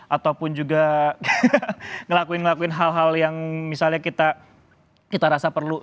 ataupun juga ngelakuin ngelakuin hal hal yang misalnya kita rasa perlu